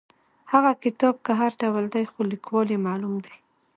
هغه کتاب که هر ډول دی خو لیکوال یې معلوم دی.